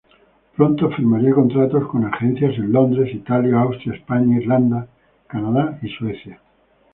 Pronto firmaría contratos con agencias en Londres, Italia, Austria, España, Irlanda, Canadá y Suecia.